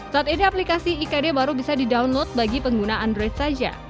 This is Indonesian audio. saat ini aplikasi ikd baru bisa di download bagi pengguna android saja